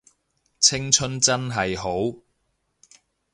青春真係好